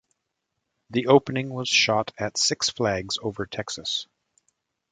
The opening was shot at Six Flags Over Texas.